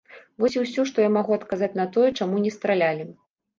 Вось і ўсё, што я магу адказаць на тое, чаму не стралялі.